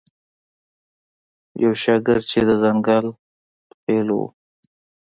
یو شاګرد چې د ځنګل خیلو و.